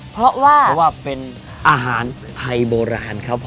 เพราะว่าเป็นอาหารไทยโบราณครับผม